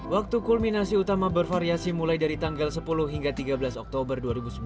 waktu kulminasi utama bervariasi mulai dari tanggal sepuluh hingga tiga belas oktober dua ribu sembilan belas